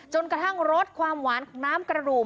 กระทั่งรสความหวานของน้ำกระดูก